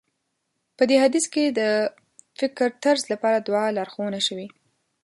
په دې حديث کې د فکرطرز لپاره دعا لارښوونه شوې.